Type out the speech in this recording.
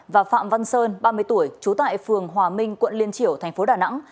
và phạm văn sơn ba mươi tuổi trú tại phường hòa minh quận liên triểu tp đà nẵng